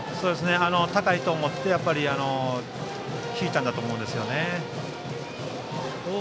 高いと思って引いたんだと思います。